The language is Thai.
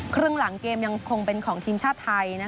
ครึ่งหลังเกมยังคงเป็นของทีมชาติไทย